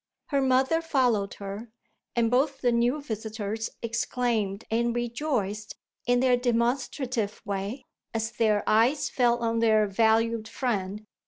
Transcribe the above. Her mother followed her, and both the new visitors exclaimed and rejoiced, in their demonstrative way, as their eyes fell on their valued friend.